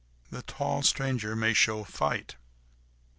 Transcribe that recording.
"The tall stranger may show fight.